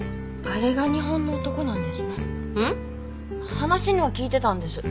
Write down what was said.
話には聞いてたんです。